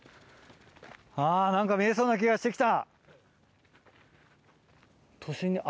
あぁ何か見えそうな気がして来た。